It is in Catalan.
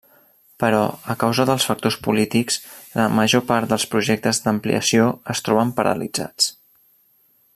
Però a causa de factors polítics, la major part dels projectes d'ampliació es troben paralitzats.